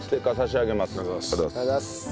ありがとうございます。